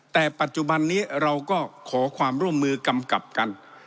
แต่ปัจจุบันนี้เราก็ขอความร่วมมือกำกับกัน